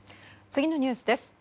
次のニュースです。